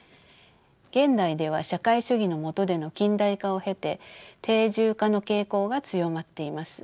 現代では社会主義の下での近代化を経て定住化の傾向が強まっています。